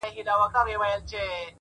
او د غم پېټی دا دی تا باندې راوښويدی;